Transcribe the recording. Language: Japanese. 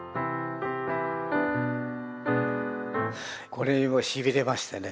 これはしびれましてね